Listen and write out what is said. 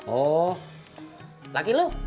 oh lagi lu